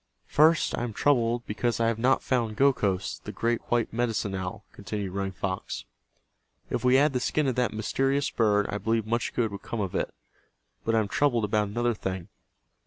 "First I am troubled because I have not found Gokhos, the great white Medicine Owl," continued Running Fox. "If we had the skin of that mysterious bird I believe much good would come of it. But I am troubled about another thing.